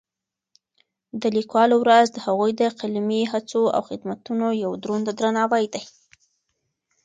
د لیکوالو ورځ د هغوی د قلمي هڅو او خدمتونو یو دروند درناوی دی.